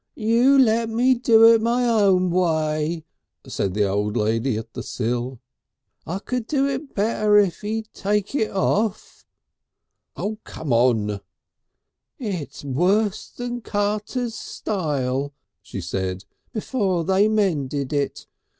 "You lemme do it my own way," said the old lady at the sill.... "I could do it better if e'd take it off." "Oh! carm on!" "It's wuss than Carter's stile," she said, "before they mended it.